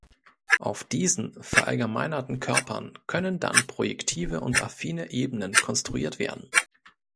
Auf diesen "verallgemeinerten Körpern" können dann projektive und affine Ebenen konstruiert werden.